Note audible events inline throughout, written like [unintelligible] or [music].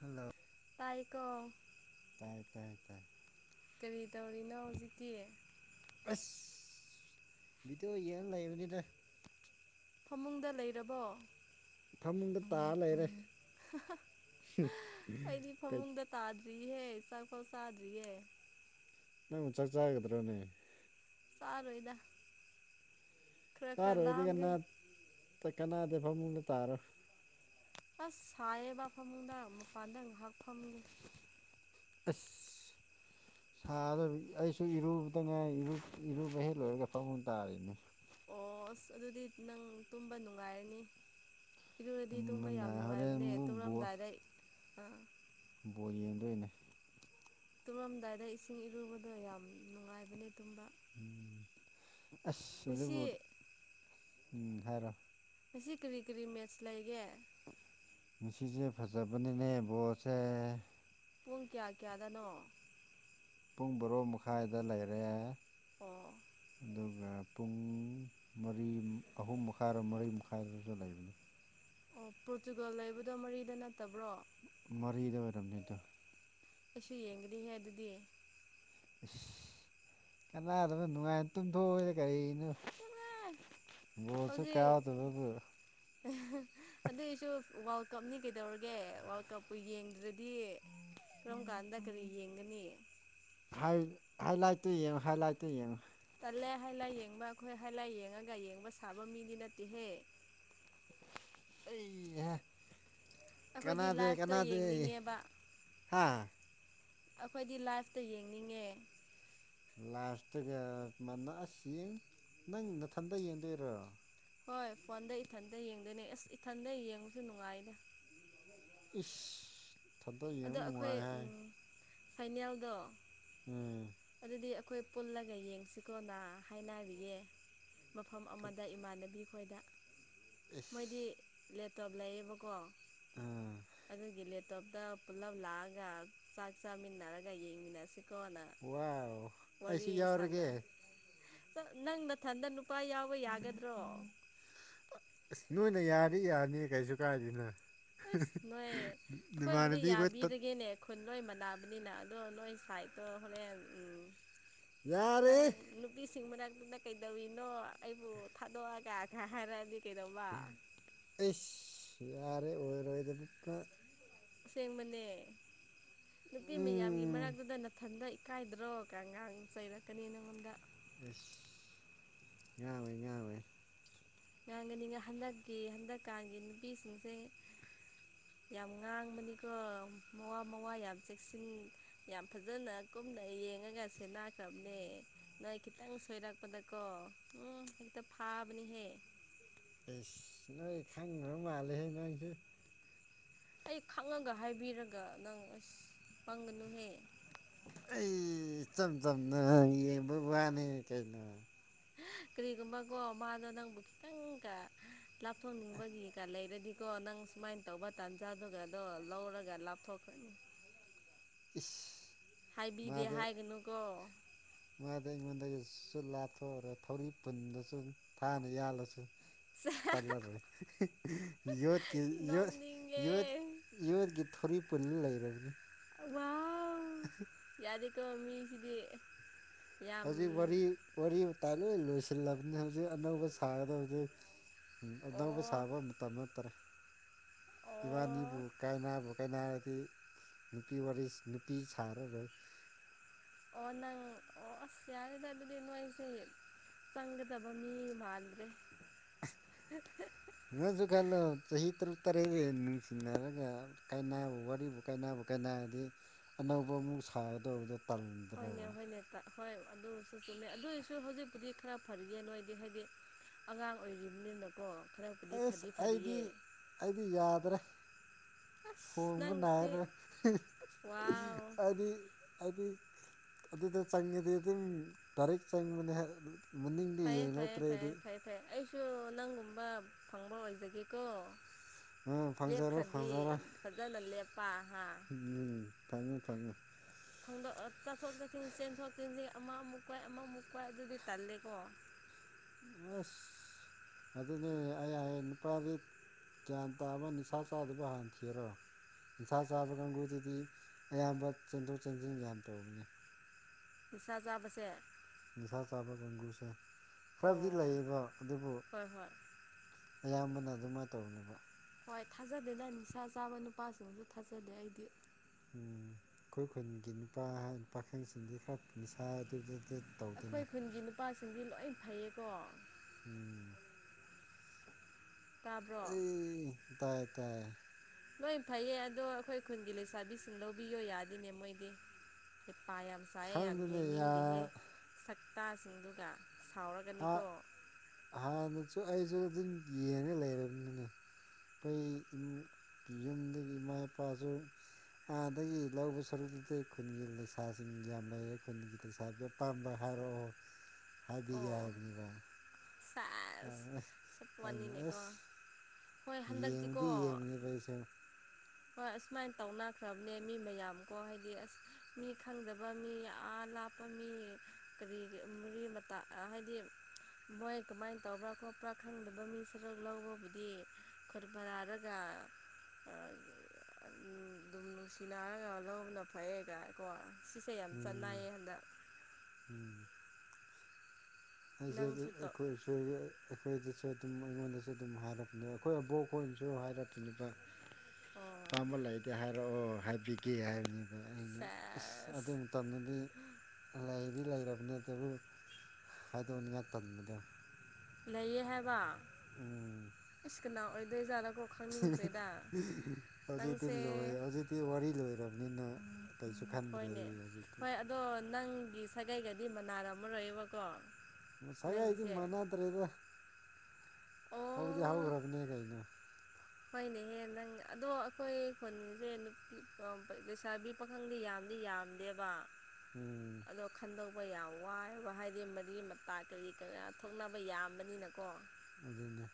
Hello ꯇꯥꯏꯌꯦꯀꯣ ꯇꯥꯏ ꯇꯥꯏ ꯇꯥꯏ ꯀꯔꯤ ꯇꯧꯔꯤꯅꯣ ꯍꯧꯖꯤꯛꯇꯤ ꯕꯤꯗꫭ ꯌ‍ꯦꯡꯉ ꯂꯩꯕꯅꯤꯗ ꯐꯃꯨꯡꯗ ꯂꯩꯔꯕꯣ ꯐꯃꯨꯡꯗ ꯇꯥꯔ ꯂꯩꯔꯦ ꯊꯨꯏꯍ‌ꯦ ꯆꯥꯛꯄꯧ ꯆꯥꯗꫪꯤꯌ‌ꯦ ꯅꯪꯕꯨ ꯆꯥꯛ ꯆꯥꯒꯗꯔꯥꯅꯦ ꯆꯥꯔꯣꯏꯗ ꯈꯔ ꯈꯔ ꯆꯥꯔꯣꯏꯗꯤ ꯂꯥꯝꯒꯦ ꯀꯟꯅ ꯇꯥꯀꯟꯅꯗ‌ꯦ ꯐꯃꯨꯡꯗ ꯇꯥꯔꯣ ꯑꯁ ꯁꯥꯏꯌꯦꯕ ꯐꯃꯨꯡꯗ ꯃꯄꯥꯟꯗ ꯉꯍꯥꯛ ꯐꯝꯒꯦ ꯑꯁ ꯁꯥꯗꯕꯅꯤ ꯑꯩꯁꯨ ꯏꯔꯨꯕꯗ ꯉꯥꯏ ꯏꯔꯨ ꯏꯔꯨꯕ ꯍꯦꯛ ꯂꯣꯏꯕꯒ ꯐꯃꯨꯡ ꯇꯥꯔꯤꯅꯤ ꯑꯣ ꯑꯁ ꯑꯗꯨꯗꯤ ꯅꯪ ꯇꯨꯝꯕ ꯅꯨꯡꯉꯥꯏꯔꯅꯤ ꯏꯔꯨꯔꯗꯤ ꯇꯨꯝꯕ ꯇꯨꯝꯕꯅ ꯌꯥꯝ ꯍꯣꯔꯦꯟ ꯅꯨꯡꯉꯥꯏꯕꯅꯦ ꯑꯃꯨꯛ ꯕꯣꯜ ꯇꯨꯝꯂꯝꯗꯥꯏꯗ ꯑꯥ ꯕꯣꯜ ꯌꯦꯡꯗꯣꯏꯅꯦ ꯇꯨꯝꯂꯝꯗꯥꯏꯗ ꯏꯁꯤꯡ ꯏꯔꯨꯕꯗꯣ ꯌꯥꯝ ꯅꯨꯡꯉꯥꯏꯕꯅꯦ ꯇꯨꯝꯕ ꯎꯝ ꯑꯁ ꯉꯁꯤ ꯑꯗꯨꯕꯨ ꯎꯝ ꯍꯥꯏꯔꯣ ꯉꯁꯤ ꯀꯔꯤ ꯀꯔꯤ ꯃꯦꯁ ꯂꯩꯒꯦ ꯉꯁꯤꯁꯦ ꯐꯖꯕꯅꯤꯅꯦ ꯕꯣꯜꯁꯦ ꯄꯨꯡ ꯀꯌꯥ ꯀꯌꯥꯗꯅꯣ ꯄꯨꯡ ꯕꯔꯣ ꯃꯈꯥꯏꯗ ꯂꯩꯔꯦ ꯑꯣ ꯑꯗꯨꯒ ꯄꯨꯡ ꯃꯔꯤ ꯑꯍꯨꯝ ꯃꯈꯥꯏꯔꯣ ꯃꯔꯤ ꯃꯈꯥꯏꯗꯁꯨ ꯂꯩꯕꯅꯤ ꯑꯣ ꯄꯣꯔꯇꯨꯒꯜ ꯂꯩꯕꯗꯣ ꯃꯔꯤꯗ ꯅꯠꯇꯕ꯭ꯔꯣ ꯃꯔꯤꯗ ꯑꯣꯏꯔꯝꯅꯤꯗ ꯑꯩꯁꯨ ꯌꯦꯡꯒꯅꯤꯍꯦ ꯑꯗꯨꯗꯤ ꯏꯁ ꯀꯟꯅꯥꯗꯕꯗ ꯅꯨꯡꯉꯥꯏꯅ ꯇꯨꯝꯊꯣꯛꯑꯣꯗ ꯀꯔꯤꯅꯣ ꯕꯣꯜꯁꯨ ꯍꯧꯖꯤꯛ ꯀꯥꯎꯗꯕꯕꯨ ꯑꯗꯨꯏ ꯑꫭꯏꯁꯨ ꯋꯥꯔꯜ ꯀꯞꯅꯤ ꯀꯩꯗꯧꯔꯒꯦ ꯋꯥꯔꯜ ꯀꯞꯄꯨ ꯌꯦꯡꯗ꯭ꯔꯗꯤ ꯀꯔꯝ ꯀꯥꯟꯗ ꯈꯔꯤ ꯌꯦꯡꯒꯅꯤ ꯍ ꯍꯏ ꯂꯥꯏꯇ ꯍꯏ ꯂꯥꯏꯇ ꯆꯠꯂꯦ ꯍꯥꯏ ꯂꯥꯏ ꯌꯦꯡꯕ ꯑꯩꯈꯣꯏ ꯍꯥꯏ ꯂꯥꯏ ꯌꯦꯡꯉꯒ ꯌꯦꯡꯕ ꯁꯥꯕ ꯃꯤꯗꯤ ꯅꯠꯇꯦꯍꯦ [inaudible] ꯑꯩ ꯑꯩꯈꯣꯏꯗꯤ ꯀꯅꯥꯗꯤ ꯂꯥꯏꯐꯇ ꯀꯅꯥꯗ ꯌꯦꯡꯅꯤꯡꯉꯦꯕ ꯍꯥ ꯑꯩꯈꯣꯏꯗꯤ ꯂꯥꯏꯐꯇ ꯌꯦꯡꯅꯤꯡꯉꯦ ꯂꯥꯁꯇꯒ ꯃꯅꯥꯛꯑꯁꯤ ꯌꯦꯡ ꯅꯪ ꯅꯊꯟꯗ ꯌꯦꯡꯗꯣꯏꯔꯣ ꯍꯣꯏ ꯐꯣꯟꯗ ꯏꯊꯟꯇ ꯌꯦꯡꯗꯣꯏꯅꯦ ꯑꯁ ꯏꯊꯟꯗ ꯌꯦꯡꯕꯁꯨ ꯅꯨꯡꯉꯥꯏꯗ ꯏꯁ ꯊꯗ ꯌꯅꯅꯨꯡꯉ ꯐꯥꯏꯅꯦꯜꯗ ꯎꯝ ꯑꯩꯈꯣꯏ ꯄꯨꯜꯂꯒ ꯌꯦꯡꯁꯤꯀꯣꯅ ꯍꯥꯏꯅꯔꯤꯌꯦ ꯃꯐꯝ ꯑꯃꯗ ꯏꯃꯥꯟꯅꯕꯤ ꯑꯩꯈꯣꯏꯗ ꯏꯁ ꯃꯣꯏꯗꯤ ꯂꯦꯞꯇꯣꯞ ꯂꯩꯌꯦꯕꯀꯣ ꯑꯥ ꯑꯗꯨꯒꯤꯂꯦꯇꯣꯞꯗ ꯄꯨꯜꯂꯞ ꯂꯥꯛꯑꯒ ꯆꯥꯛ ꯆꯥꯃꯤꯟꯅꯔꯒ ꯌꯦꯡꯃꯤꯟꯅꯁꯤ ꯋꯥ ꯑꯩꯁꯨ ꯁꯥꯟꯅ ꯌꯥꯎꯔꯒꯦ ꯅꯪ ꯃꯊꯟꯇ ꯅꯨꯄꯥ ꯌꯥꯎꯕ ꯌꯥꯒꯗ꯭ꯔꯣ ꯪ ꯌꯥꯅꯤ ꯌꯥꯅꯤꯌꯦ ꯀꯩꯁꯨ ꯀꯥꯏꯗꯅꯣ ꯑꯁ ꯅꯣꯏ ꯑꯩꯈꯣꯏꯕꯨꯗꯤ ꯇꯠ ꯌꯥꯕꯤꯔꯒꯦꯅꯦ ꯈꯨꯟ ꯂꯣꯏ ꯃꯅꯥꯕꯅꯤꯅ ꯑꯗꯣ ꯅꯣꯏ ꯁꯥꯏꯠꯇꯣ ꯍꯣꯔꯦꯟ ꯌꯥꯔꯦ ꯅꯪ ꯅꯨꯕꯤꯁꯤꯡ ꯃꯅꯨꯡꯗ ꯑꯗꯨꯅ ꯀꯩꯗꯧꯋꯤꯅꯣ ꯑꯩꯕꯨ ꯊꯥꯗꯣꯛꯑꯒ ꯈ ꯍꯥꯏꯔꯗꯤ ꯑꯁ ꯌꯥꯔꯦ ꯑꯣꯏꯔꯣꯏꯗ ꯄꯄ ꯑꯁꯦꯡꯕꯅꯦ ꯅꯨꯄꯤ ꯃꯌꯥꯝꯒꯤ ꯎꯝ ꯃꯔꯛꯇꯨꯗ ꯅꯥꯊꯟꯗ ꯀꯥꯏꯗ꯭ꯔꯣ ꯀꯒꯥꯡ ꯆꯩꯔꯛꯀꯅꯤ ꯅꯪꯉꯣꯟꯗ ꯑꯦꯁ ꯉꯥꯡꯦ ꯉꯥꯡꯦ ꯉꯥꯡꯒꯅꯤꯅ ꯍꯟꯗꯛꯀꯤ ꯍꯟꯗꯛꯀꯥꯟꯒꯤ ꯅꯨꯄꯤꯁꯤꯡꯁꯦ ꯌꯥꯝ ꯉꯥꯡꯕꯅꯤꯀꯣ ꯃꯋꯥ ꯃꯋꯥ ꯌꯥꯝ ꯆꯦꯛꯁꯤꯟ ꯌꯥꯝ ꯐꯖꯅ ꯁꯝꯅ ꯌꯦꯡꯉꯒꯁꯦ ꯂꯥꯛꯈ꯭ꯔꯕꯅꯦ ꯅꯣꯏ ꯈꯤꯇꯪ ꯁꯣꯏꯔꯛꯄꯗꯀꯣ ꯎꯝ ꯐꯥꯕꯅꯤ ꯍꯦ ꯑꯩꯁ ꯅꯣꯏ ꯈꯪꯈ꯭ꯔ ꯃꯥꯜꯂꯦꯍ ꯅꯪꯁꯨ ꯑꯩ ꯈꯪꯉꯒ ꯍꯥꯏꯕꯤꯔꯒ ꯅꯪ ꯑꯁ ꯄꯪꯒꯅꯨꯍꯦ ꯑꯩ ꯆ ꯆꯝ ꯅ ꯕꯕꯥꯅꯤ ꯀꯩꯅꯅ ꯍꯥ ꯀꯔꯤꯒꯨꯝꯕꯀꯣ ꯃꯥꯗꯣ ꯅꯪꯕꯨ ꯈꯤꯇꯪꯒ ꯂꯥꯞꯊꯣꯛꯅꯤꯡꯕꯒꯤꯒ ꯂꯩꯔꯗꯤꯀꯣ ꯅꯪ ꯁꯨꯃꯥꯏꯅ ꯇꯧꯕ ꯇꯥꯟꯖꯥꯗꯨꯒꯗꯣ ꯂꯧꯔꯒ ꯂꯥꯞꯊꯣꯛꯀꯅꯤ ꯃꯥꯗ ꯍꯥꯏꯒꯅꯨꯀꯣ ꯃꯥꯗ ꯃꯗꯥ ꯁꯨ ꯂꯥꯊꯣꯛꯑꯔ ꯊꯧꯔꯤ ꯄꯨꯟꯗꯁꯨ ꯊꯥꯅ ꯌꯥꯜꯂꯁꯨ ꯁ ꯇꯜꯂꯔ ꯌꯣ ꯀ ꯌꯣ ꯅꯣꯛꯅꯤꯡꯉꯦ ꯌꯣꯏ ꯀ ꯊꯣꯔꯤ ꯄꯨꯜꯂ ꯂꯩꯔꯕꯅꯦ ꯋꯥ [inaudible] ꯑꯗꯒꯤꯀ ꯃꯤꯒꯤꯗꯤ ꯍꯧꯖꯤꯛ ꯋꯥꯔꯤ ꯋꯥꯇꯥꯏ ꯂꯣꯏ ꯂꯣꯏꯁꯤꯜꯂꯕꯅꯤ ꯍꯧꯖꯤꯛ ꯑꯅꯧꯕ ꯁꯥꯒꯗ ꯍꯧꯖꯤꯛ ꯎꯝ ꯑꯗꯨꯅꯧꯕ ꯑꯣ ꯁꯥꯕ ꯃꯇꯝ ꯅꯠꯇ꯭ꯔꯦ꯫ ꯑꯣ ꯏꯕꯥꯅꯤꯕꯨ ꯀꯥꯏꯅꯥꯕꯨ ꯀꯥꯏꯅꯥꯔꯗꯤ ꯅꯨꯄꯤ ꯋꯥꯔꯤ ꯁ ꯅꯨꯄꯤ ꯁꯥꯔꯔꫭꯏ꯫ ꯑꯣ ꯅꯪ ꯑꯣ ꯑꯁ ꯌꯥꯔꯦꯗ ꯑꯗꯨꯗꯤ ꯅꯣꯏꯁꯤ ꯆꯪꯒꯗꯕ ꯃꯤ ꯃꯥꯟꯗ꯭ꯔꯦ꯫ [unintelligible] ꯇꯔꯦꯠ ꯍ ꯅꯨꯡꯁꯤꯅꯔꯒ ꯀꯥꯏꯅꯕ ꯋꯥꯔꯤꯕꯨ ꯀꯥꯏꯕꯨ ꯀꯥꯏꯅꯔꯗꯤ ꯑꯅꯧꯕ ꯑꯃꯨꯛ ꯁꯥꯒꯗꯧꯕꯗꯨ ꯍꯣꯏꯅꯦ ꯍꯣꯏꯅꯦ ꯇ ꯍꯣꯏ ꯑꯗꯨꯁꯨ ꯆꯨꯝꯃꯦ ꯑꯗꯨꯏꯁꯨ ꯍꯧꯖꯤꯛꯄꯨꯗꯤ ꯈꯔ ꯐꯔꯤꯌꯦ ꯅꯣꯏꯗꯤ ꯍꯥꯏꯗꯤ ꯑꯉꯥꯡ ꯑꯣꯏꯔꯤꯕꯅꯤꯅꯀꯣ ꯈꯔꯕꯨꯗꯤ ꯑꯦꯁ ꯐꯗꯤ ꯑꯩꯗꯤ ꯐꯔꯤꯌꯦ ꯑꯩꯗꯤ ꯌꯥꯗꯔꯦ ꯑꯁ ꯍꯣꯡꯕ ꯅꯪꯁꯤꯗꯤ ꯅꯥꯏꯔꯣ ꯋꯥꯎ ꯍꯥꯏꯗꯤ ꯍꯥꯏꯗꯤ ꯑꯗꯨꯗ ꯆꯪꯉꯗꯤ ꯑꯗꯨꯝ ꯗꯥꯔꯦꯛ ꯆꯪꯕꯅꯦ ꯃꯅꯤꯡꯗꯤ ꯐꯩꯌꯦ ꯐꯩꯌꯦ ꯌꯦꯡꯂꯛꯇ꯭ꯔꯦꯗꯤ ꯐꯩꯌꯦ ꯐꯩ ꯐꯩ ꯑꯩꯁꯨ ꯅꯪꯒꯨꯝꯕ ꯐꯪꯕ ꯑꯣꯏꯖꯒꯦꯀꯣ ꯑꯥ ꯐꯪꯖꯔꯣ ꯂꯦꯞꯈ꯭ꯔꯗꯤ ꯐꯪꯖꯔꯣ ꯐꯖꯅ ꯂꯦꯞ ꯎꯝ ꯐꯪꯉꯨ ꯐꯪꯉꯨ ꯆꯊꯣꯛ ꯆꯁꯤꯟ ꯆꯦꯟꯊꯣꯛ ꯆꯦꯟꯁꯤꯟ ꯑꯃ ꯑꯃꯨꯛ ꯄꯥꯐ ꯑꯃꯃꯨꯛ ꯄꯥꯏ ꯑꯗꯨꯗꯤ ꯇꯜꯂꯦꯀꯣ ꯑꯁ ꯑꯗꯨꯅꯤ ꯑꯩ ꯍꯌꯦꯡ ꯅꯨꯄꯥꯗꯤ ꯒ꯭ꯌꯥꯟ ꯇꯥꯕ ꯅꯤꯁꯥ ꯆꯥꯗꯕ ꯍꯥꯟꯅ ꯊꯤꯔꯣ ꯅꯤꯁꯥ ꯆꯥꯕ ꯀꯥꯡꯕꯨꯗꯨꯗꯤ ꯑꯌꯥꯝꯕ ꯆꯦꯟꯊꯣꯛ ꯆꯟꯁꯤꯟ ꯌꯥꯝ ꯇꯧꯕꯅꯦ ꯅꯤꯁꯥ ꯆꯥꯕꯁꯦ ꯅꯤꯁꯥ ꯆꯥꯕ ꯀꯥꯡꯒꯨꯁꯦ ꯈꯔꯕꯨꯗꯤ ꯑꯣ ꯂꯩꯌꯦꯕ ꯑꯗꯨꯕꯨ ꯍꯣꯏ ꯍꯣꯏ ꯑꯌꯥꯝꯕꯅ ꯑꯗꯨꯃꯥꯏꯅ ꯇꯧꯕꯅꯦꯕ ꯍꯣꯏ ꯊꯥꯖꯗꯦꯅ ꯅꯤꯁꯥ ꯆꯥꯕ ꯅꯨꯄꯥꯁꯤꯡꯁꯨ ꯊꯥꯖꯗꯦ ꯑꯩꯗꯤ ꯑꯩꯈꯣꯏ ꯈꯨꯟꯒꯤ ꯅꯨꯄꯥ ꯄꯥꯈꯪꯁꯤꯡꯗꯤ ꯈꯔ ꯅꯤꯁꯥ ꯑꯗꯨꯗ ꯇꯧꯗꯦꯅ ꯑꯩꯈꯣꯏ ꯈꯨꯟꯒꯤ ꯅꯨꯄꯥꯁꯤꯡꯗꯤ ꯂꯣꯏ ꯐꯩꯌꯦꯀꯣ ꯇꯥꯕ꯭ꯔꯣ ꯑꯩ ꯇꯥꯏ ꯇꯥꯏ ꯂꯣꯏ ꯐꯩꯌꯦ ꯑꯗꯣ ꯑꯩꯈꯣꯏ ꯈꯨꯟꯒꯤ ꯂꯩꯁꯥꯕꯤꯁꯤꯡ ꯂꯧꯕꯤꯌꯣ ꯌꯥꯗꯦꯅꯦ ꯃꯣꯏꯗꯤ ꯄꯥ ꯌꯥꯝ ꯁꯥꯏꯌꯦ ꯌꯥꯝ ꯈꯪꯗꯦꯅꯦ ꯌꯥ ꯌꯦꯡꯅꯤꯡꯗꯦꯍꯦ ꯁꯛꯇꯥꯁꯤꯡꯗꯨꯒ ꯍꯥꯟ ꯁꯥꯎꯔꯒꯅꯤꯀꯣ ꯍꯥꯟꯅꯁꯨ ꯑꯩꯁꯨ ꯑꯗꯨꯝ ꯌꯦꯡꯉ ꯂꯩꯔꯝꯅꯤꯅꯦ ꯑꯩꯈꯣꯏ ꯌꯨꯝꯗꯒꯤ ꯏꯃꯥ ꯏꯄꯥꯁꯨ ꯑꯥꯗꯒꯤ ꯂꯧꯕ ꯁꯔꯨꯛꯇꯨꯗꯤ ꯈꯨꯟꯒꯤ ꯂꯩꯁꯥꯁꯤꯡ ꯌꯥꯝ ꯂꯩꯌꯦ ꯈꯨꯟꯒꯤ ꯂꯩꯁꯥꯗꯨ ꯑꯄꯥꯝꯕ ꯍꯥꯏ [unintelligible] ꯕꯤꯌꯥꯅꯤꯕ ꯁꯦꯁ ꯃꯅꯤꯅꯦꯀꯣ ꯑꯁ ꯍꯣꯏ ꯍꯟꯗꯛꯇꯤꯀꯣ ꯌꯦꯡꯕꯗꯤ ꯌꯦꯡꯕꯅꯦꯕ ꯑꯩꯁꯨ ꯍꯣꯏ ꯑꯁꯨꯃꯥꯏꯅ ꯇꯧꯅꯈ꯭ꯔꯕꯅꯦ ꯃꯤ ꯃꯌꯥꯝꯀꯣ ꯍꯥꯏꯗꯤ ꯑꯁ ꯃꯤ ꯈꯪꯗꯕ ꯃꯤ ꯌꯥꯝ ꯂꯥꯞ ꯃꯤ ꯀꯔꯤ ꯃꯔꯤ ꯃꯇꯥ ꯍꯥꯏꯗꯤ ꯃꯣꯏ ꯀꯃꯥꯏꯅ ꯇꯧꯕ꯭ꯔꯥ ꯈꯣꯠꯄ꯭ꯔꯥ ꯈꯪꯗꯕ ꯃꯤꯁꯤꯔ ꯂꯧꯕꯕꯨꯗꯤ ꯈꯨꯟ ꯃꯥꯟꯅꯔꯒ ꯑꯗꯨꯝ ꯅꯨꯡꯁꯤꯅꯔꯒ ꯂꯧꯕꯅ ꯐꯩꯌꯦ ꯀꯣ ꯁꯤꯁꯦ ꯌꯥꯝ ꯎꯝ ꯆꯠꯅꯩꯌꯦ ꯍꯟꯗꯛ ꯅꯪꯁꯨ ꯇꯧ [unintelligible] ꯁ ꯑꯗꯨꯝ ꯑꯩꯉꯣꯟꯗꯁꯨ ꯑꯗꯨꯝ ꯍꯥꯏꯔꯛꯄꯅꯦꯕ ꯑꯩꯈꯣꯏ ꯑꯕꯣꯛꯈꯣꯏꯅꯁꯨ ꯍꯥꯏꯔꯛꯈꯤꯕ ꯑꯣ ꯑꯄꯥꯝꯕ ꯂꯩꯔꯗꯤ ꯍꯥꯏꯔꯛꯑꯣ ꯍꯥꯏꯕꯤꯒꯦ ꯍꯥꯏꯕꯅꯤ ꯑꯗ ꯑꯩꯅ ꯑꯁ ꯁꯦꯁ ꯑꯗꯨ ꯃꯇꯝꯗꯗꯤ ꯂꯩ ꯗꯤ ꯂꯩꯔꯕꯅꯦ ꯑꯗꯨꯕꯨ ꯍꯥꯏꯗꯣꯛꯅꯤꯡꯉꯥꯏ ꯇꯟꯕꯗꯣ ꯂꯩꯌꯦ ꯍꯥꯏꯕ ꯎꯝ ꯏꯁ ꯀꯅꯥ ꯑꯣꯏꯗꯣꯏꯖꯥꯠꯅꯣ ꯀꯅꯥꯅꯣ ꯈꯪꯅꯤꯡꯈ꯭ꯔꯦꯗ ꯍꯧꯖꯤꯛꯇꯤ ꯅꯪꯁꯦ ꯂꯣꯏ ꯍꯧꯖꯤꯛꯇꯤ ꯋꯥꯔꯤ ꯂꯣꯏꯔꯕꯅꯤꯅ ꯎꯝ ꯀꯩꯁꯨ ꯈꯟꯗ꯭ꯔꯦ ꯍꯣꯏꯅꯦ ꯑꯩ ꯍꯧꯖꯤꯛꯇꯤ ꯍꯣꯏ ꯑꯗꯣ ꯅꯪꯒꯤ ꯁꯥꯒꯩꯒꯗꯤ ꯃꯅꯥꯔꯝꯃꯔꯣꯏꯕꯀꯣ ꯁꯒꯩꯗꯤ ꯅꯪꯒꯤꯁꯦ ꯃꯅꯥꯗ꯭ꯔꯦꯗ ꯑꯣ ꯍꯧꯗꯤ ꯍꯧꯒ꯭ꯔꯕꯅꯦ ꯒꯩꯅꯣ꯫ ꯍꯣꯏꯅꯦꯍꯦ ꯅꯪ ꯑꯗꯣ ꯑꯩꯈꯣꯏ ꯈꯨꯟꯁꯦ ꯅꯨꯞꯄꯤ ꯂꯩꯁꯥꯕꯤ ꯄꯥꯈꯪꯗꯤ ꯌꯥꯝ ꯗꯤꯌꯥꯝꯗꯦꯕ ꯎꯝ ꯑꯗꯣ ꯈꯟꯗꯣꯛ ꯕ ꯌꯥꯝ ꯋꯥꯏꯑꯦꯕ ꯍꯥꯏꯗꯤ ꯃꯔꯤ ꯃꯇꯥ ꯀꯔꯤ ꯀꯌꯥꯥ ꯊꯣꯛꯅꯕ ꯌꯥꯝꯕꯅꯤꯅꯀꯣ꯫ ꯑꯗꯨꯅꯦ꯫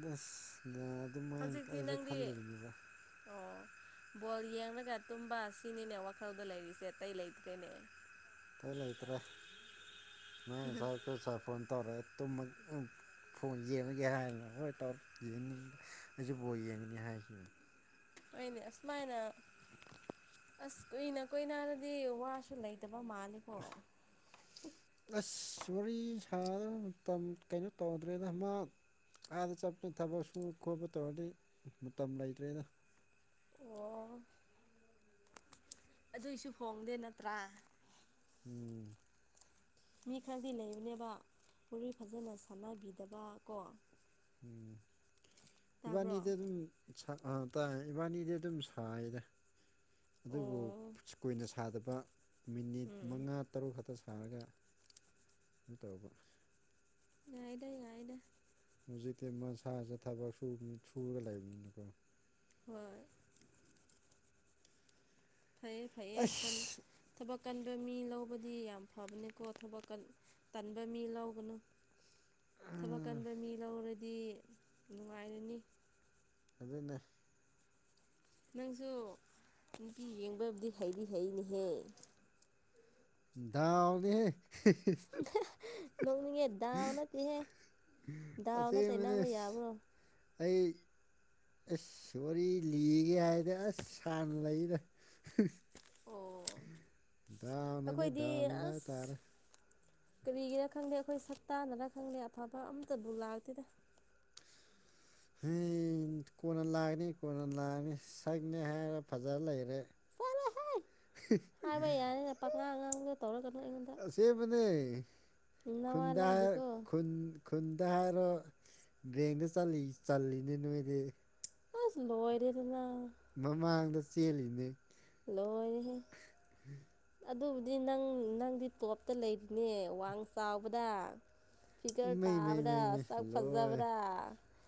ꯗꯁ ꯅꯥ ꯑꯗꯨꯃꯥꯏꯅ ꯍꯧꯖꯤꯛꯇꯤ ꯑꯩꯖꯨ ꯅꯪꯗꯤ ꯈꯜꯂꯤꯕꯅꯦꯕ꯫ ꯑꯣ ꯕꯣꯜ ꯌꯦꯡꯂꯒ ꯇꯨꯝꯕ ꯁꯤꯅꯤꯅꯦ ꯋꯥꯈꯜꯗ ꯂꯩꯔꯤꯁꯦ ꯑꯇꯩ ꯂꯩꯇ꯭ꯔꯦꯅꯦ꯫ ꯏꯇꯩ ꯂꯩꯇ꯭ꯔꯦ ꯅꯣꯏ ꯉꯁꯥꯏ ꯑꯩꯈꯣꯏ ꯁꯥꯏ ꯐꯣꯟ ꯇꯧꯔꯛꯑꯦ꯫ ꯇꯨꯝꯃ ꯐꯣꯟ ꯌꯦꯡꯑꯒꯦ ꯍꯥꯏꯔꯅ ꯍꯣꯏ ꯇꯧꯔꫭ ꯌꯦꯡꯅꯤꯡꯗ ꯑꯩꯁꯨ ꯕꯣꯜ ꯌꯦꯡꯒꯅꯤ ꯍꯥꯏ꯫ [inaudible] ꯍꫭꯏꯅꯦ ꯑꯁꯨꯃꯥꯏꯅ ꯑꯁ ꯀꯨꯏꯅ ꯀꫭꯏꯅꯔꯗꯤ ꯋꯥꯁꯨ ꯂꯩꯇꯕ ꯃꯥꯂꯦꯀꯣ꯫ ꯑꯁ ꯋꯥꯔꯤ ꯁꯥꯗꯅ‌ ꯃꯇꯝ ꯀꯩꯅꯣ ꯇꯧꯗ꯭ꯔꯦꯗ ꯃꯥ ꯑꯥꯗ ꯆꯠꯄ ꯊꯕꯛ ꯁꯨ ꯈꯣꯠꯄ ꯇꯧꯔꯗꯤ ꯃꯇꯝ ꯂꯩꯇ꯭ꯔꯦꯗ꯫ ꯑꯣ ꯑꯗꯨꯏꯁꯨ ꯐꯣꯡꯗꯦ ꯅꯠꯇ꯭ꯔꯥ꯫ ꯎꯝ꯫ ꯃꯤ ꯈꯔꯗꯤ ꯂꯩꯕꯅꯦꯕ ꯋꯥꯔꯤ ꯐꯖꯅ ꯁꯥꯟꯅꯕꯤꯗꯕꯥ ꯀꯣ꯫ ꯎꯝ ꯇꯥꯕ꯭ꯔꯣ ꯏꯕꯥꯅꯤꯗꯤ ꯑꯗꯨꯝ ꯁꯥ ꯑ ꯇꯥꯏ ꯏꯕꯥꯅꯤꯗꯤ ꯑꯗꯨꯝ ꯁꯥꯏꯗ꯫ ꯑꯣ ꯑꯗꯨꯕꯨ ꯎꯝ ꯀꯨꯏꯅ ꯁꯥꯗꯕ ꯃꯤꯅꯤꯠ ꯎꯝ ꯃꯉꯥ ꯇꯔꯨꯛ ꯈꯛꯇ ꯁꯥ ꯁꯥꯔꯒ ꯀꯩꯅꯣ ꯇꯧꯕ ꯌꯥꯥꯏꯗ-ꯌꯥꯏꯗ꯫ ꯍꯧꯖꯤꯛꯇꯤ ꯃꯁꯥꯥꯁꯦ ꯊꯕꯛ ꯁꯨꯕ ꯁꯨꯔꯒ ꯂꯩꯕꯅꯤꯅꯀꯣ꯫ ꯍꯣꯏ꯫ ꯐꯩꯌꯦ-ꯐꯩꯌꯦ ꯍꯨꯟ ꯑꯁ ꯊꯕꯛ ꯀꯟꯕ ꯃꯤ ꯂꯧꯕꯗꯤ ꯌꯥꯝ ꯐꯕꯅꯤꯀꯣ ꯊꯕꯛ ꯀꯟ ꯇꯟꯕ ꯃꯤ ꯂꯧꯒꯅꯨ꯫ ꯊꯕꯛ ꯎꯝ, ꯀꯟꯕ ꯃꯤ ꯂꯧꯔꯗꯤ ꯅꯨꯡꯉꯥꯏꯔꯅꯤ꯫ ꯑꯗꯨꯅꯦ꯫ ꯅꯪꯁꯨ ꯅꯨꯄꯤ ꯌꯦꯡꯕꯕꯨꯗꯤ ꯍꯩꯗꯤ ꯍꯩꯅꯦꯍꯦ꯫ ꯗꯥꯎꯅꯤꯍꯦ꯫ ꯅꯣꯛꯅꯤꯉꯦ ꯗꯥꯎ ꯅꯠꯇꯦꯍꯦ꯫ ꯗꯥꯎꯗ ꯑꯁꯦꯡꯕꯅꯦ ꯇꯩꯅꯥꯕ ꯌꯥꯕ꯭ꯔꯣ꯫ ꯑꯩ ꯑꯦꯁ ꯋꯥꯔꯤ ꯂꯤꯒꯦ ꯍꯥꯏꯗꯤ ꯑꯁ ꯁꯥꯟꯅ ꯂꯩꯗ꯫ ꯗꯥꯎꯅꯅꯤ ꯑꯩꯈꯣꯏꯗꯤ ꯗꯥꯟꯅ ꯍꯥꯏ ꯑꯁ ꯇꯥꯔꯦ꯫ ꯀꯔꯤꯒꯤꯔ ꯈꯪꯗꯦ ꯑꯩꯈꯣꯏ ꯁꯛꯇꯥꯅꯔ ꯈꯪꯗꯦ ꯑꯐꯕ ꯑꯝꯃꯇꯕꯨ ꯂꯥꯛꯇꯦꯗ꯫ ꯏꯟ ꯀꯣꯟꯅ ꯂꯥꯛꯑꯅꯤ ꯀꯣꯟꯅ ꯂꯥꯛꯑꯅꯤ ꯁꯛꯅꯤ ꯍꯥꯏꯔ ꯐꯖꯔ ꯂꯩꯔꯦ꯫ ꯆꯔꯦ ꯍꯥꯏ ꯍꯥꯏꯕ ꯌꯥꯅꯤꯦ ꯄꯉꯥꯡ ꯉꯥꯡꯕꯗꯣ ꯇꯧꯔꯒ ꯑꯁꯦꯝꯕꯅꯦ ꯅꯋꯥ ꯈꯨꯨꯟꯗꯟ ꯂꯧꯗꯦꯀꯣ ꯈꯨꯨꯟ ꯈꯨꯟꯗ ꯒꯔꯦꯡꯗ ꯆꯜꯂꯤ ꯆꯜꯂꯤꯅꯦ ꯅꯣꯏꯗꯤ ꯑꯁ ꯂꯣꯏꯔꯦꯗꯅꯥ ꯃꯃꯥꯡꯗ ꯆꯦꯜꯂꯤꯅꯦ ꯂꯣꯏꯔꯦꯍꯦ ꯑꯗꯨꯕꯨꯗꯤ ꯅꯪ ꯅꯪꯗꯤ ꯇꯣꯞꯇ ꯂꯩꯄꯅꯦ ꯋꯥꯡ ꯆꯥꯎꯕꯗ ꯐꯤꯒꯔ ꯏꯃꯩ ꯃꯩ ꯇꯥꯕꯗ ꯃꯩ ꯃꯩ ꯁꯛ ꯂꯣꯏ ꯐꯖꯕꯗ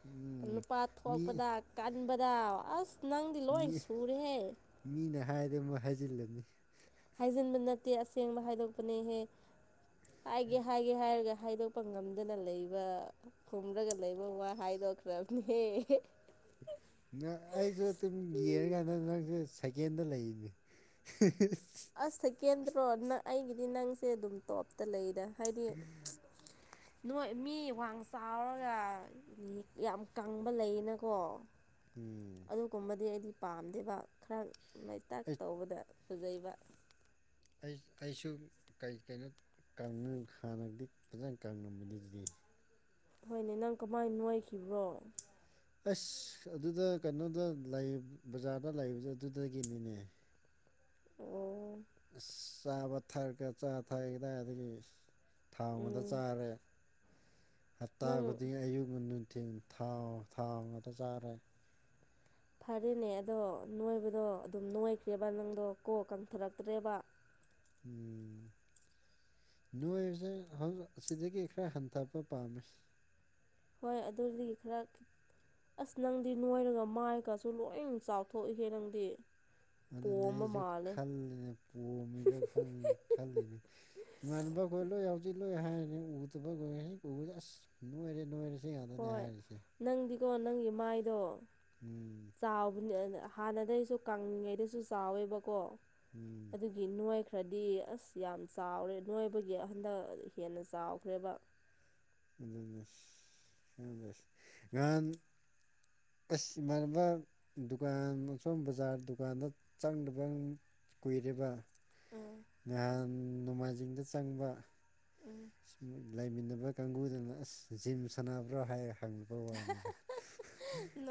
ꯎꯝ ꯅꯨꯄꯥ ꯃꯤ ꯊꯣꯛꯄꯗ ꯀ ꯍꯟꯕꯗꯥꯎ ꯑꯁ ꯅꯪꯗꯤ ꯂꯣꯏ ꯁꯨꯔꯦꯍꯦ ꯍꯥꯏꯗꯤ ꯑꯃꯨꯛ ꯍꯥꯏꯖꯤꯜꯂꯅꯤ ꯍꯥꯏꯖꯤꯟꯕ ꯅꯠꯇꯦ ꯑꯁꯦꯡꯕ ꯍꯥꯏꯗꯣꯛꯄꯅꯦꯍꯦ ꯍꯥꯏꯒꯦ ꯍꯥꯏꯒꯦ ꯍꯥꯏꯔꯒ ꯍꯥꯏꯗꯣꯛꯄ ꯉꯝꯗꯅ ꯂꯩꯕ ꯈꯨꯝꯔꯒ ꯂꯩꯕ ꯋꯥ ꯍꯥꯏꯗꯣꯛꯈ꯭ꯔꯕꯅꯦ [inaudible] ꯅꯪ ꯑꯩꯁꯨ ꯑꯗꯨꯝ ꯌꯦꯡꯉꯀꯥꯟꯗ ꯅꯪꯁꯨ ꯁꯀꯦꯟꯗ ꯂꯩꯅꯦ꯫ ꯑꯁ ꯁꯦꯀꯦꯟꯗ꯭ꯔꯣ ꯅꯪ ꯑꯩꯒꯤꯗꯤ ꯅꯪꯁꯦ ꯑꯗꯨꯝ ꯇꯣꯞꯇ ꯂꯩꯗ꯫ ꯍꯥꯏꯗꯤ ꯅꯣꯏ ꯃꯤ ꯋꯥꯡ ꯆꯥꯎꯔꯒ ꯌꯥꯝ ꯀꯪꯕ ꯂꯩꯌꯦꯅꯀꯣ꯫ ꯎꯝ ꯑꯗꯨꯒꯨꯝꯕꯗꯤ ꯑꯩꯗꯤ ꯄꯥꯝꯗꯦꯕ ꯈꯔ ꯅꫭꯏꯇꯥꯛ ꯑꯩ ꯇꯧꯕꯗ ꯐꯖꯩꯕ ꯑꯩ ꯑꯩꯁꯨ ꯀꯔꯤ ꯀꯩꯅꯣ ꯀꯪꯕꯅ ꯍꯥꯟꯅꯗꯤ ꯐꯖꯅ ꯀꯪꯉꯝꯕꯅꯤ ꯑꯗꯨꯏ ꯍꯣꯏꯅꯦ ꯅꯪ ꯀꯃꯥꯏꯅ ꯅꯣꯏꯈꯤꯕ꯭ꯔꯣ꯫ ꯑꯁ ꯑꯗꯨꯗ ꯀꯩꯅꯣꯗ ꯕꯖꯥꯔꯗ ꯂꯩꯕꯗ ꯑꯗꯨꯗꯒꯤꯅꯤꯅꯦ ꯑꯣ ꯑ ꯆꯥꯕ ꯊꯔꯒ ꯆꯥ ꯊꯛꯒꯗꯥ ꯑꯗꯒꯤ ꯊꯥꯎ ꯑꯃꯗ ꯎꯝ ꯆꯥꯔꯦ ꯍꯞꯇꯥ ꯅꯪ ꯈꯨꯗꯤꯡ ꯑꯌꯨꯛ ꯉ ꯅꯨꯡꯊꯤꯟꯜꯥꯎ ꯊꯥꯎ ꯉꯥꯛꯇ ꯆꯥꯔꯦ ꯐꯔꯦꯅꯦ ꯑꯗꯣ ꯅꯣꯏꯕꯗꯣ ꯑꯗꯨꯝ ꯅꯣꯏꯈ꯭ꯔꯦꯕ ꯅꯪꯗꯣ ꯀꯣ ꯀꯪꯊꯔꯛꯇ꯭ꯔꯦꯕ ꯎꯝ ꯅꯣꯏꯕꯁꯦ ꯑꯁꯤꯗꯒꯤ ꯈꯔ ꯍꯟꯊꯄ ꯄꯥꯝꯃꯤ ꯍꯣꯏ ꯑꯗꯨꯗꯒꯤ ꯈꯔ ꯑꯁ ꯅꯪꯗꯤ ꯅꯣꯏꯔꯒ ꯃꯥꯏꯒꯁꯨ ꯂꯣꯏ ꯆꯥꯎꯊꯣꯛꯏꯍꯦ ꯅꯪꯗꯤ ꯑꯗꯨꯅꯦ ꯄꯣꯝꯕ ꯑꯩꯁꯨ ꯃꯥꯜꯂꯦ ꯈꯜꯂꯤꯅꯦ ꯄꯣꯝꯃꯤꯗ ꯈꯜꯂꯤꯅꯦ ꯏꯃ ꯀꯣꯏꯣ ꯌꯥꯎꯖꯤ ꯂꯣꯏ ꯍꯥꯏꯔꯤꯅꯤ ꯎꯗꯕ ꯀꯣꯏꯔ ꯎꯁꯦ ꯑꯁ ꯅꯣꯏꯔꯦ ꯅꯣꯏꯔꯦꯁꯤꯉꯗꯅꯦ ꯍꯥꯏꯔꯤꯁꯦ ꯀꯣ ꯅꯪꯒꯤ ꯃꯥꯏꯗꯣ ꯎꯝ ꯆꯥꯎꯕꯅꯦ ꯑꯅ ꯍꯥꯟꯅꯗꯩꯁꯨ ꯀꯪꯉꯂꯤꯉꯩꯗꯁꯨ ꯆꯥꯎꯋꯦꯕꯀꯣ ꯎꯝ ꯑꯗꯨꯒꯤ ꯅꯨꯡꯉꯥꯏꯈ꯭ꯔꯥ ꯈꯔꯗꯤ ꯑꯁ ꯌꯥꯝ ꯆꯥꯎꯔꯦ ꯅꯣꯏꯕꯒꯤ ꯑꯍꯟꯗꯛ ꯍꯦꯟꯅ ꯆꯥꯎꯈ꯭ꯔꯦꯕ [unintelligible] [unintelligible] ꯉꯍꯥꯟ ꯑꯩꯁ ꯏꯃꯥꯟꯅꯕ ꯗꯨꯀꯥꯟ ꯑꯣꯝ ꯕꯖꯥꯔ ꯗꯨꯀꯥꯟꯗ ꯆꯪꯗꯕ ꯀꯨꯏꯔꯤꯕ ꯎꯝ ꯅꯍꯥꯟ ꯅꯣꯡꯃꯥꯏꯖꯤꯡꯗ ꯆꯪꯕ ꯎꯝ ꯂꯩꯃꯤꯟꯅꯕ ꯀꯥꯡꯕꯨꯗꯅ ꯑꯁ ꯖꯤꯝ ꯁꯥꯟꯅꯕ꯭ꯔꯣ ꯍꯥꯏꯔ ꯈꯪꯕ ꯋꯥꯅꯤꯗ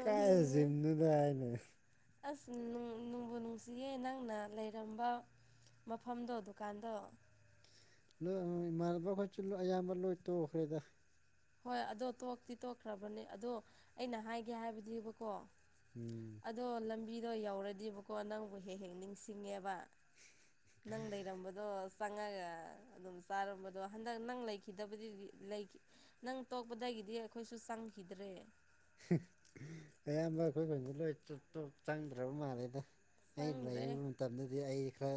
ꯀꯥꯏ ꯖꯤꯝꯗꯨꯗ ꯍꯥꯏꯅꯦ ꯑꯁ ꯅꯪꯕꯨ ꯅꯨꯡꯁꯤꯌꯦ ꯅꯪꯅ ꯂꯩꯔꯝꯕ ꯃꯐꯝꯗꯣ ꯗꯨꯀꯥꯟꯗꯣ ꯂꯣꯏ ꯏꯃꯥꯟꯅꯕ ꯈꯣꯏꯁꯨꯨ ꯑꯌꯥꯝꯕ ꯂꯣꯏ ꯇꯣꯛꯈ꯭ꯔꯦꯗ ꯍꯣꯏ ꯑꯗꯣ ꯇꯣꯛꯇꯤ ꯇꯣꯛꯈ꯭ꯔꯕꯅꯦ ꯑꯗꯣ ꯑꯩꯅ ꯍꯥꯏꯒꯦ ꯍꯥꯏꯕꯗꯤꯕꯀꯣ ꯎꯝ ꯑꯗꯣ ꯂꯝꯕꯤꯗꯣ ꯌꯧꯔꯗꯤꯕꯀꯣ ꯅꯪꯕꯨ ꯍꯦꯛ ꯍꯦꯛ ꯅꯤꯡꯁꯤꯡꯉꯦꯕ ꯅꯪ ꯂꯩꯔꯝꯕꯗꯣ ꯆꯪꯉꯒ ꯑꯗꯨꯝ ꯆꯥꯔꯝꯕꯗꯣ ꯍꯟꯗꯛ ꯅꯪ ꯂꯩꯈꯤꯗꯕꯗꯤ ꯂꯩ ꯅꯪ ꯇꯣꯛꯄꯗꯒꯤꯗꯤ ꯑꯩꯈꯣꯏꯁꯨ ꯆꯪꯈꯤꯗ꯭ꯔꯦ ꯑꯌꯥꯝꯕ ꯑꯩꯈꯣꯏ ꯈꯗꯤꯦ ꯂꯣꯏꯣ ꯇꯣꯞ ꯆꯪꯗ꯭ꯔꯕ ꯃꯥꯜꯂꯦꯗ ꯑꯩꯅ ꯂꯩꯕ ꯆꯪꯗ꯭ꯔꯦ ꯃꯇꯝꯗꯗꯤ ꯑꯩ ꯈꯔ